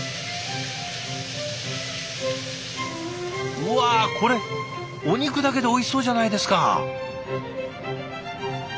うわこれお肉だけでおいしそうじゃないですか！